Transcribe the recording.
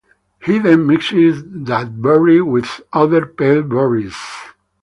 He then mixed that berry with other pale berries.